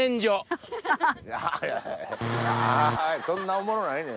そんなおもろないねん。